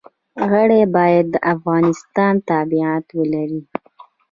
غړي باید د افغانستان تابعیت ولري.